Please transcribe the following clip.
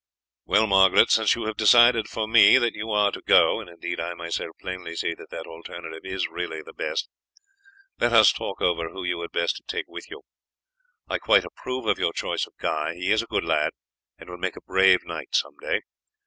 "Well, Margaret, since you have decided for me that you are to go and indeed I myself plainly see that that alternative is really the best let us talk over who you had best take with you. I quite approve of your choice of Guy; he is a good lad, and will make a brave knight some day.